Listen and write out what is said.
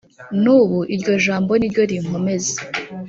nubu iryo jambo niryo rinkomeza